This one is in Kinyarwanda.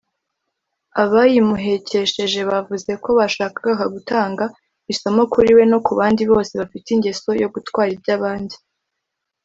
Abayimuhekesheje bavuze ko bashakaga gutanga isomo kuri we no ku bandi bose bafite ingeso yo gutwara iby’abandi